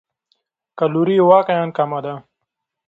کالوري یې واقعاً کمه ده.